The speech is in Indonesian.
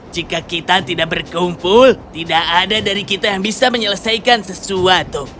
jika kita tidak berkumpul tidak ada dari kita yang bisa menyelesaikan sesuatu